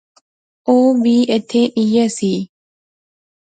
او وی ایتھیں ایہہ سی